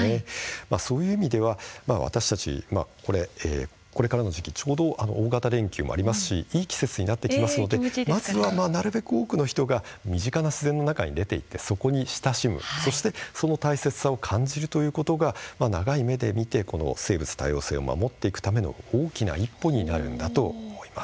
そういう意味では私たちこれからの時期大型連休もありますしいい季節になってきますのでまずはなるべく多くの人が身近な自然の中に出ていってそこに親しむ、そしてその大切さを感じるということが長い目で見て生物多様性を守っていくための大きな一歩になるんだと思います。